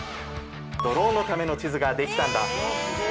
ドローンのための地図が出来たんだ。